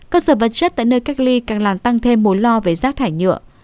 cơ sở vật chất tại nơi cách ly càng làm tăng thêm mối lo về rác thải nhựa